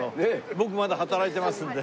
僕まだ働いてますので。